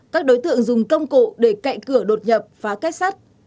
các đối tượng dùng công cụ để cậy cửa đột nhập phá kết sắt